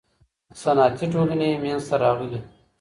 صنعتي ټولني منځ ته راغلې.